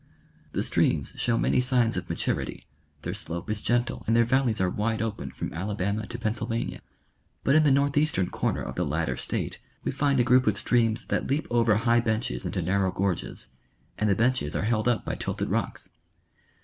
The streams show many signs of maturity: then slope is gentle and their valleys are wide open from Alabama to Pennsylvania, but in the northeastern corner of the latter State we find a group of streams that leap over high benches into narrow gorges, and the benches ai"e held up by tilted rocks.